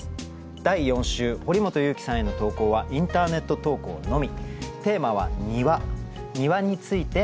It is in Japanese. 第４週堀本裕樹さんへの投稿はインターネット投稿のみ。